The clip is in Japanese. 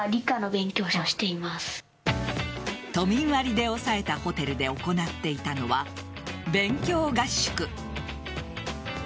都民割で押さえたホテルで行っていたのは勉強合宿。